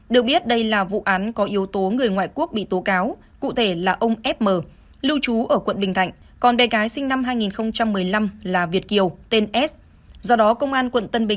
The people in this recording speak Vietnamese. được biết đây là vụ án có yếu tố người ngoại quốc bị tố cáo cụ thể là ông f m lưu trú ở quận bình thạnh còn bé gái sinh năm hai nghìn một mươi năm là việt kiều tên s